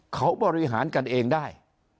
เขาบริหารกันเองได้